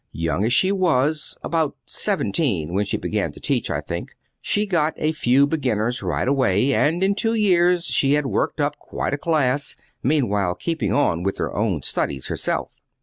Young as she was about seventeen when she began to teach, I think she got a few beginners right away, and in two years she had worked up quite a class, meanwhile keeping on with her own studies, herself.